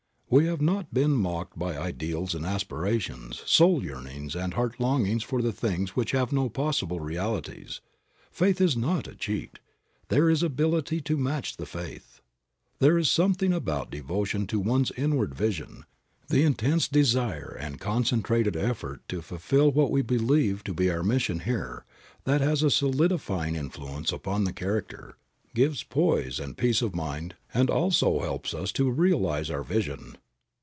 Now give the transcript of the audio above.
We have not been mocked by ideals and aspirations, soul yearnings and heart longings for the things which have no possible realities. Faith is not a cheat. There is ability to match the faith. There is something about devotion to one's inward vision, the intense desire and concentrated effort to fulfill what we believe to be our mission here, that has a solidifying influence upon the character, gives poise and peace of mind and also helps us to realize our vision.